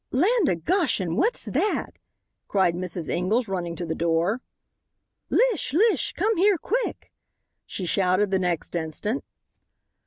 "Land o' Goshen, what's that?" cried Mrs. Ingalls running to the door. "Lish! Lish! come here quick!" she shouted the next instant.